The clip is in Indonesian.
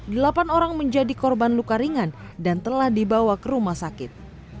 delapan orang menjadi korban luka ringan dan telah dibawa ke rumah sakit